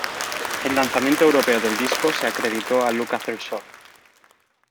El lanzamiento europeo del disco se acreditó a Lukather solo.